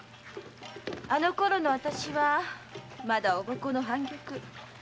あのころの私はまだおぼこの半玉。